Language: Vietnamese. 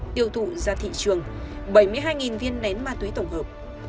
tiêu thụ ra thị trường bảy mươi hai viên nén ma túy tổng hợp